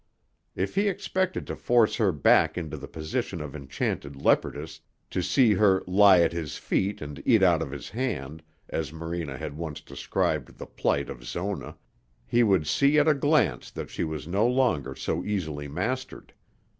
If he expected to force her back into the position of enchanted leopardess, to see her "lie at his feet and eat out of his hand," as Morena had once described the plight of Zona, he would see at a glance that she was no longer so easily mastered.